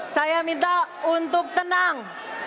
saya minta untuk tenang